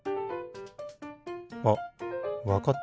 あっわかった。